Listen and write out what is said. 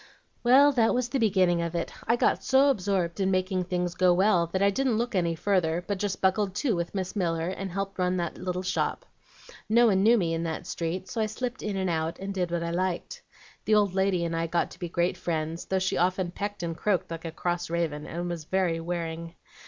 "Well, that was the beginning of it. I got so absorbed in making things go well that I didn't look any further, but just 'buckled to' with Miss Miller and helped run that little shop. No one knew me in that street, so I slipped in and out, and did what I liked. The old lady and I got to be great friends; though she often pecked and croaked like a cross raven, and was very wearing.